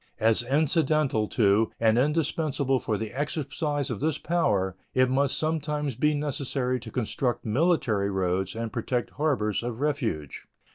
As incidental to and indispensable for the exercise of this power, it must sometimes be necessary to construct military roads and protect harbors of refuge.